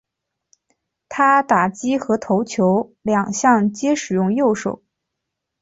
他打击和投球两项皆使用右手。